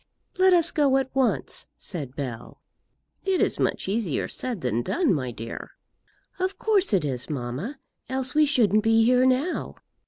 "Let us go at once," said Bell. "It is much easier said than done, my dear." "Of course it is, mamma; else we shouldn't be here now.